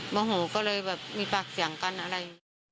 โมหูก็เลยแบบมีปากเสียงกันอะไร